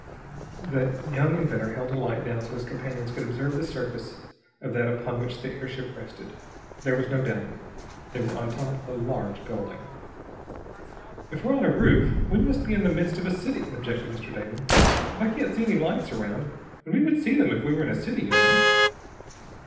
The young inventor held the light down so his companions could observe the surface of that upon which the airship rested. There was no doubt of it. They were on top of a large building. "If we're on a roof we must be in the midst of a city," objected Mr. Damon. "But I can't see any lights around, and we would see them if we were in a city, you know."